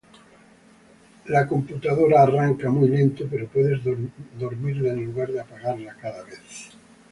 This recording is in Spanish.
La computadora arranca muy lento pero puedes dormirla en lugar de apagarla cada vez